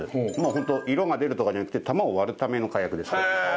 ホント色が出るとかじゃなくて玉を割るための火薬です。